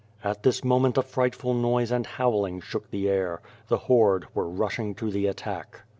At this moment a frightful noise and howling shook the air. The horde were rushing to the attack.